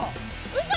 うそ。